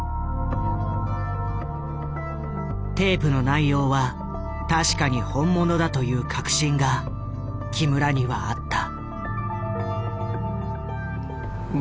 テープの内容は確かに本物だという確信が木村にはあった。